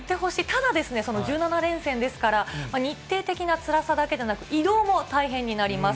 ただ、１７連戦ですから、日程的なつらさだけでなく、移動も大変になります。